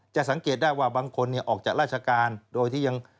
สังเกตได้ว่าบางคนออกจากราชการโดยที่ยัง